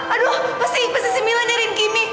aduh pasti pasti si mila nyariin kimi